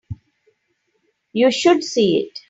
You should see it.